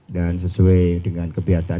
dan sesuai dengan kebiasaan